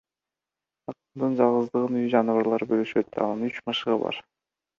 Акындын жалгыздыгын үй жаныбарлары бөлүшөт — анын үч мышыгы бар.